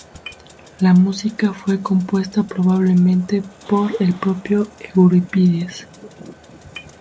La música fue compuesta probablemente por el propio Eurípides.